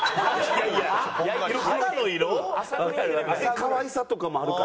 可愛さとかもあるから。